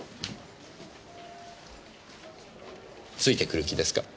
ついてくる気ですか？